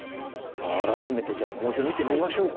改めてじゃあもう一度見てみましょうか。